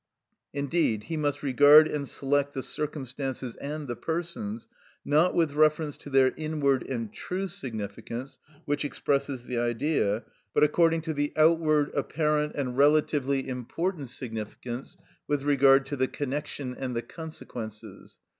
Indeed, he must regard and select the circumstances and the persons, not with reference to their inward and true significance, which expresses the Idea, but according to the outward, apparent, and relatively important significance with regard to the connection and the consequences.